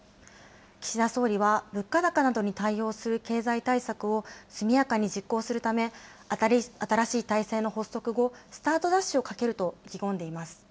岸田総理は物価高などに対応する経済対策を速やかに実行するため、新しい体制の発足後、スタートダッシュをかけると意気込んでいます。